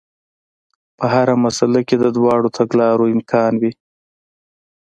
په هره مسئله کې د دواړو تګلارو امکان وي.